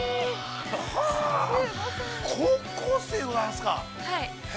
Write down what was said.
高校生でございますか？